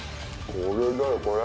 これだよこれ。